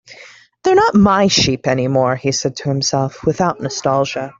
"They're not my sheep anymore," he said to himself, without nostalgia.